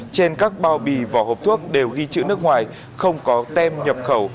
trên các bao bì vỏ hộp thuốc đều ghi chữ nước ngoài không có tem nhập khẩu